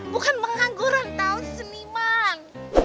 bukan pengangguran tau seniman